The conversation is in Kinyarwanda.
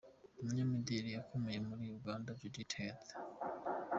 Umunyamideri ukomeye muri Uganda Judith Heard.